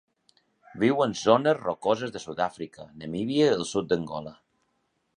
Viu en zones rocoses de Sud-àfrica, Namíbia i el sud d'Angola.